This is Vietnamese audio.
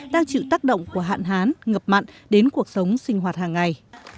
đang chịu tác động của hạn hán ngập mặn đến cuộc sống sinh hoạt hàng ngày